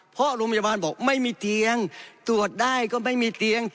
เพราะโรงพยาบาลบอกไม่มีเตียงตรวจได้ก็ไม่มีเตียง